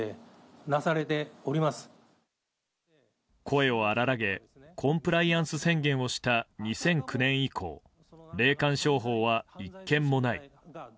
声を荒らげコンプライアンス宣言をした２００９年以降霊感商法は１件もない。